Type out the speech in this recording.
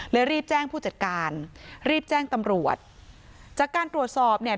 รีบแจ้งผู้จัดการรีบแจ้งตำรวจจากการตรวจสอบเนี่ย